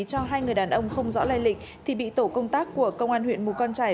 cho hai người đàn ông không rõ lây lịch thì bị tổ công tác của công an huyện mù căng trải